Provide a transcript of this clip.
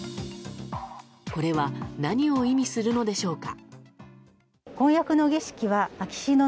これは何を意味するのでしょうか。